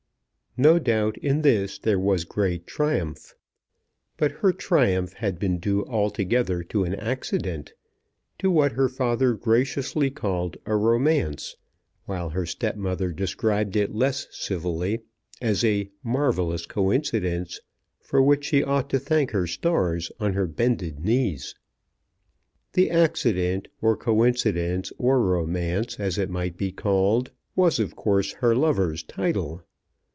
No doubt in this there was great triumph. But her triumph had been due altogether to an accident; to what her father graciously called a romance, while her stepmother described it less civilly as a "marvellous coincidence, for which she ought to thank her stars on her bended knees." The accident, or coincidence or romance as it might be called, was, of course, her lover's title.